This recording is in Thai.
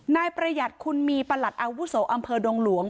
นายประหยัดคุณมีประหลัดอาวุศครรภ์